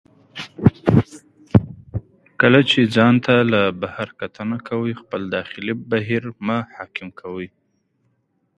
کله چې ځان ته له بهر کتنه کوئ، خپل داخلي بهیر مه حاکم کوئ.